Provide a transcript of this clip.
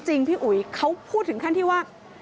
พี่อุ๋ยเขาพูดถึงขั้นที่ว่า